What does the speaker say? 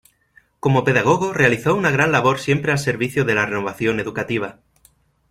Como pedagogo realizó una gran labor siempre al servicio de la renovación educativa.